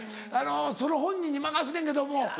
その本人に任すねんけども。